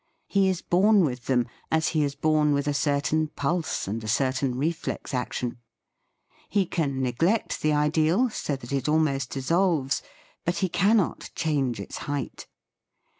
He is born with them, as he is born with a certain pulse and a certain reflex ac tion. He can neglect the ideal, so that it almost dissolves, but he cannot change its height.